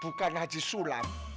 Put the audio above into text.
bukan hadis sulam